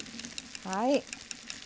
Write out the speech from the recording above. はい。